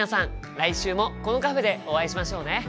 来週もこのカフェでお会いしましょうね。